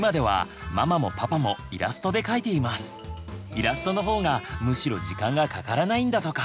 イラストの方がむしろ時間がかからないんだとか。